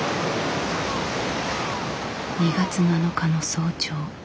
２月７日の早朝。